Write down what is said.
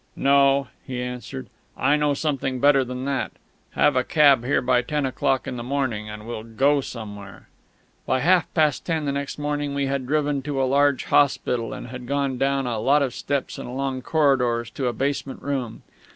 "No," he answered. "I know something better than that. Have a cab here by ten o'clock in the morning, and we'll go somewhere." By half past ten the next morning we had driven to a large hospital, and had gone down a lot of steps and along corridors to a basement room.